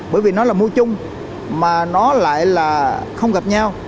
bởi vì nó là mua chung mà nó lại là không gặp nhau